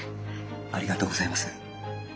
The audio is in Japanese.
ありがとうございます。